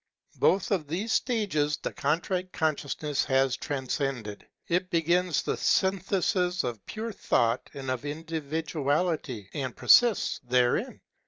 Both of these stages the Contrite Consciousness has 620 HEGEL transcended. It begins the synthesis of pure thought and of individuality and persists therein.